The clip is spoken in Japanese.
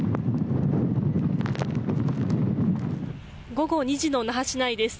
午後２時の那覇市内です。